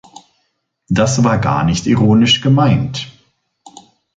Das war gar nicht ironisch gemeint.